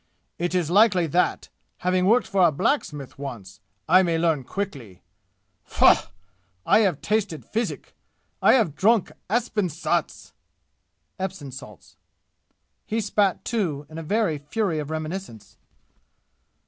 "It is likely that, having worked for a blacksmith once, I may learn quickly! Phaughghgh! I have tasted physic! I have drunk Apsin Saats! (Epsom Salts.)" He spat, too, in a very fury of reminiscence.